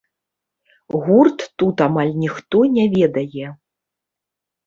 Гурт тут амаль ніхто не ведае.